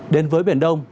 đến với biển đông